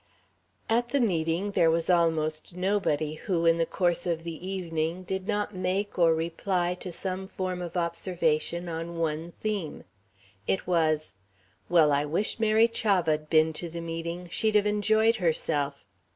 At the meeting there was almost nobody who, in the course of the evening, did not make or reply to some form of observation on one theme. It was: "Well, I wish Mary Chavah'd been to the meeting. She'd have enjoyed herself."